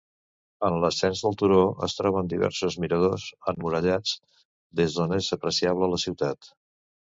En l'ascens del turó es troben diversos miradors emmurallats des d'on és apreciable la ciutat.